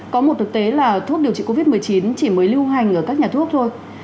có một thực tế là thuốc điều trị covid một mươi chín chỉ mới lưu hành ở các nhà thuốc thôi